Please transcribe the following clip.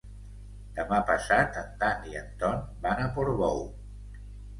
Demà passat en Dan i en Ton van a Portbou.